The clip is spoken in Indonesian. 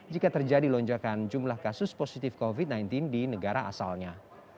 jika terjadi lonjakan jumlah kasus positif covid sembilan belas di negara asalnya